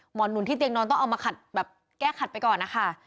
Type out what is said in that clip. หนุนที่เตียงนอนต้องเอามาขัดแบบแก้ขัดไปก่อนนะคะ